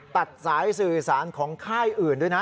ตัดสายสื่อสารของค่ายอื่นด้วยนะ